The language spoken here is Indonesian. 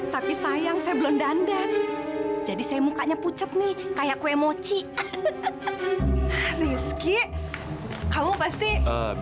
tidak saya mau ke rumah